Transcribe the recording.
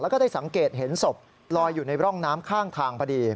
แล้วก็ได้สังเกตเห็นศพลอยอยู่ในร่องน้ำข้างทางพอดี